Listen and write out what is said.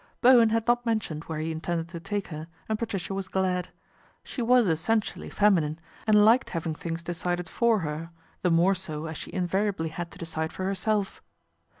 Bowen had not mentioned where he intended to take her, and Patricia was glad. She was essentially feminine, and liked having things decided for her, the more so as she invariably had to decide for herself.